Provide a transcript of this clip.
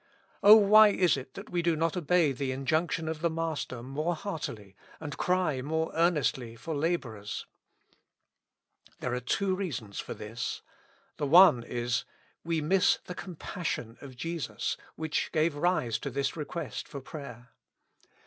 O why is it that we do not obey the injunction of the Master more heartily, and cry more earnestly for laborers ? There are two reasons for this. The one is : We miss the compassion of Jesus, which gave rise to this request for prayer.